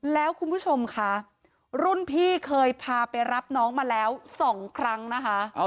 แล้วคุณผู้ชมค่ะรุ่นพี่เคยพาไปรับน้องมาแล้ว๒ครั้งนะคะ